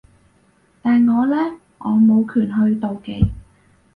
但我呢？我冇權去妒忌